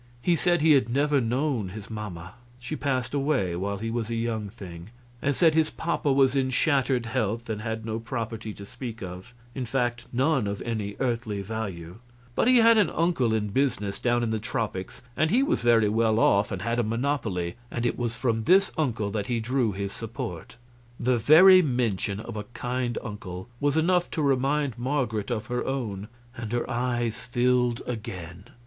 He said he had never known his mamma; she passed away while he was a young thing; and said his papa was in shattered health, and had no property to speak of in fact, none of any earthly value but he had an uncle in business down in the tropics, and he was very well off and had a monopoly, and it was from this uncle that he drew his support. The very mention of a kind uncle was enough to remind Marget of her own, and her eyes filled again.